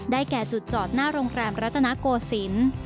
แก่จุดจอดหน้าโรงแรมรัตนโกศิลป์